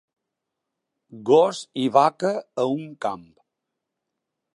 Gos i vaca a un camp.